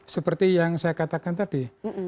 seperti yang saya katakan tadi